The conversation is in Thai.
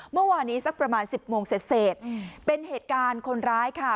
เมื่อวานี้สักประมาณสิบโมงเสร็จเป็นเหตุการณ์คนร้ายค่ะ